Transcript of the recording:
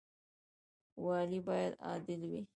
والي باید عادل وي